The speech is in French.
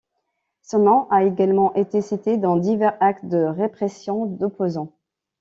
Son nom a également été cité dans divers actes de répression d'opposants.